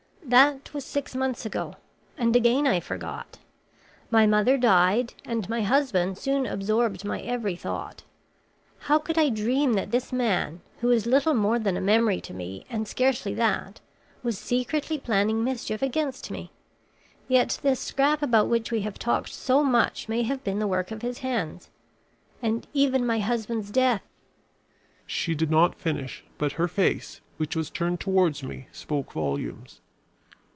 "That was six months ago; and again I forgot. My mother died and my husband soon absorbed my every thought. How could I dream that this man, who was little more than a memory to me and scarcely that, was secretly planning mischief against me? Yet this scrap about which we have talked so much may have been the work of his hands; and even my husband's death " She did not finish, but her face, which was turned towards me, spoke volumes.